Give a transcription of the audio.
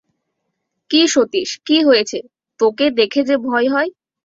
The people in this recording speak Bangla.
কী সতীশ, কী হয়েছে, তোকে দেখে যে ভয় হয়।